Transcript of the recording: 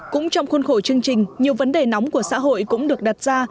cũng trong khuôn khổ chương trình nhiều vấn đề nóng của xã hội cũng được đặt ra